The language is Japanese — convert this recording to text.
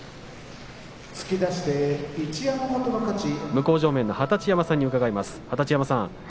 向正面の二十山さんに伺います。